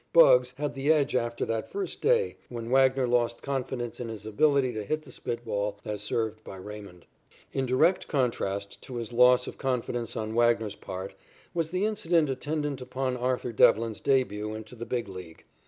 "Bugs" had the edge after that first day when Wagner lost confidence in his ability to hit the spit ball as served by Raymond. In direct contrast to this loss of confidence on Wagner's part was the incident attendant upon Arthur Devlin's début into the Big League.